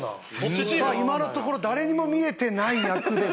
さあ今のところ誰にも見えてない役ですが。